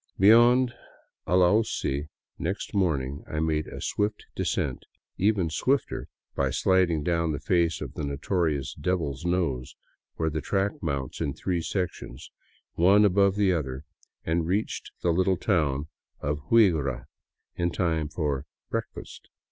Beyond Alausi next morning I made a swift descent, even swifter by sliding down the face of the notorious " Devil's Nose," where the track mounts in three sections, one above the other, and reached the little town of Huigra in time for " breakfast."